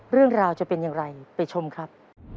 เรื่องราวจะเป็นอย่างไรไปชมครับ